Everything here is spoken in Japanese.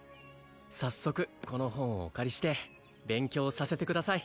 早速この本をお借りして勉強させてください